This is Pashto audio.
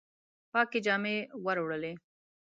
پاکي جامي وروړلي